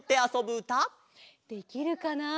できるかな？